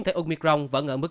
thành omicron vẫn ở mức